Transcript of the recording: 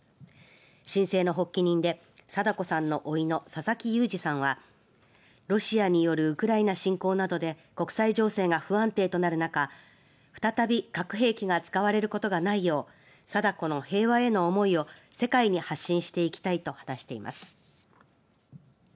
申請の発起人で禎子さんのおいの佐々木祐滋さんはロシアによるウクライナ侵攻などで国際情勢が不安定となる中再び核兵器が使われることがないよう禎子の平和への思いを世界に発信していきたいと話しています。